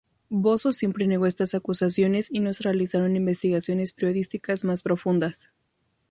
Bozzo siempre negó estas acusaciones y no se realizaron investigaciones periodísticas más profundas.